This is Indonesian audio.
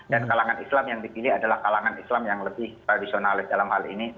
dan kalangan islam yang dipilih adalah kalangan islam yang lebih tradisionalis dalam hal ini